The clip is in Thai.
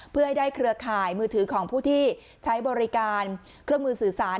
เพื่อให้ได้เครือข่ายมือถือของผู้ที่ใช้บริการเครื่องมือสื่อสาร